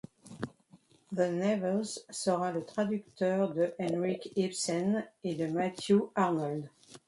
De Nevers sera le traducteur de Henrik Ibsen et de Matthew Arnold.